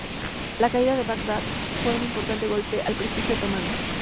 La caída de Bagdad fue un importante golpe al prestigio otomano.